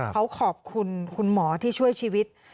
เขาขอบคุณคุณหมอที่ช่วยชีวิต